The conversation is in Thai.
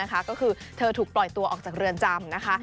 ก็คือเธอถูกปล่อยตัวออกจากเรือนจำนะคะ